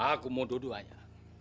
aku mau dua duanya